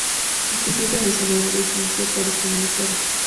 El presidente venezolano desmintió tales comunicados.